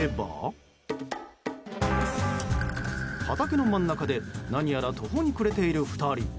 畑の真ん中で何やら途方に暮れている２人。